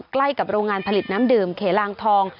ใกล้กับโรงงานผลิตน้ำดื่มเขลางทอง